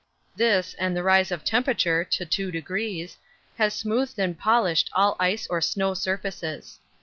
This and the rise of temperature (to 2°) has smoothed and polished all ice or snow surfaces.